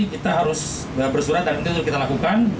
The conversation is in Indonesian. kita harus bersurat dan itu kita lakukan